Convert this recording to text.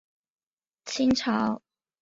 清朝嘉庆年间重修。